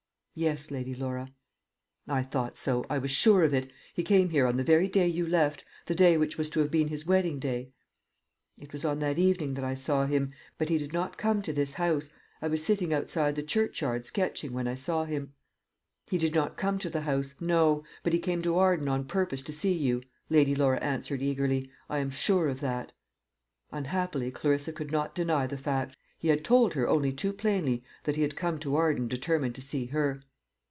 "Yes, Lady Laura." "I thought so. I was sure of it. He came here on the very day you left the day which was to have been his wedding day." "It was on that evening that I saw him; but he did not come to this house. I was sitting outside the churchyard sketching when I saw him." "He did not come to the house no; but he came to Arden on purpose to see you," Lady Laura answered eagerly. "I am sure of that." Unhappily Clarissa could not deny the fact. He had told her only too plainly that he had come to Arden determined to see her.